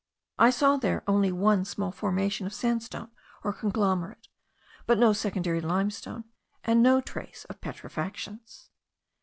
I saw there one small formation of sandstone or conglomerate; but no secondary limestone, and no trace of petrifactions.